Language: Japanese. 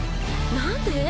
何で？